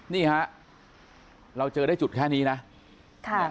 นี่ครับเราเจอได้จุดแค่นี้นะ